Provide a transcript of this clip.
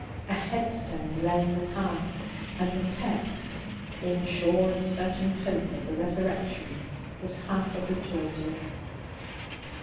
A headstone lay in the path, and the text, 'In sure and certain hope of the resurrection,' was half obliterated.